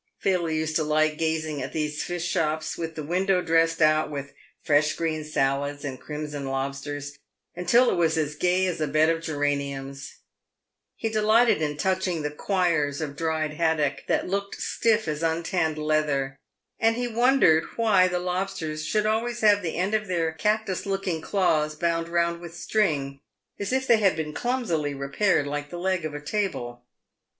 Phil used to like gazing at these fish shops, with the window dressed out with fresh green salads and crimson lobsters, until it was as gay as a bed of geraniums. He delighted in touching the quires of dried haddock that looked stiff as untanned leather, and he wondered 110 PAVED WITH GOLD. why the lobsters should always have the end of their cactus looking claws bound round with string, as if they had been clumsily repaired like the leg of a table.